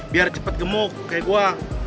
biar cepet gemuk kayak gue